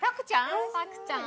拓ちゃん？